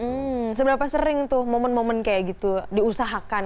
hmm seberapa sering tuh momen momen kayak gitu diusahakan